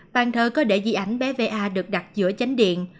bàn thờ có để dị ảnh bé va được đặt giữa chánh điện